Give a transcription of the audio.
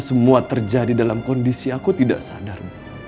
semua terjadi dalam kondisi aku tidak sadar